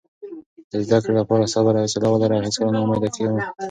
د زده کړې لپاره صبر او حوصله ولره او هیڅکله نا امیده مه کېږه.